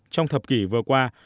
trong thập kỷ vừa qua